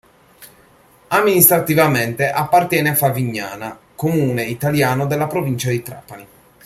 Amministrativamente appartiene a Favignana, comune italiano della provincia di Trapani.